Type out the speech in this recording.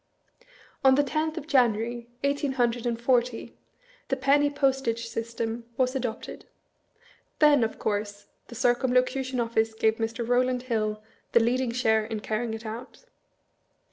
On the tenth of January, eighteen hundred and forty, the penny postage system was adopted. Then, of course, the Circumlocution Office gave Mr. Rowland Hill " the leading share in carrying it out"?